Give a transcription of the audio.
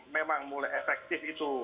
memang efektif itu